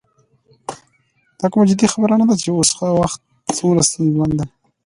دا کومه جدي خبره نه ده چې اوس وخت څومره ستونزمن دی.